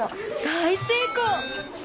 大成功！